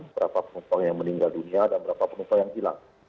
berapa penumpang yang meninggal dunia dan berapa penumpang yang hilang